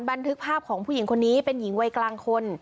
บันทึกภาพของผู้หญิงคนนี้เป็นหญิงวัยกลางคน